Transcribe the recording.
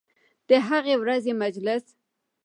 د هغې ورځې مجلس